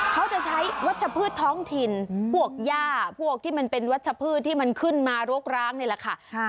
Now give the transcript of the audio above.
เขาจะใช้วัชพืชท้องถิ่นพวกย่าพวกที่มันเป็นวัชพืชที่มันขึ้นมารกร้างนี่แหละค่ะ